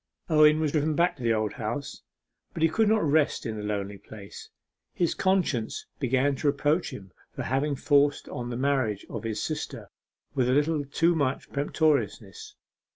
Owen was driven back to the Old House. But he could not rest in the lonely place. His conscience began to reproach him for having forced on the marriage of his sister with a little too much peremptoriness.